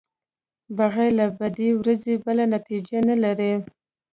بغیر له بدې ورځې بله نتېجه نلري.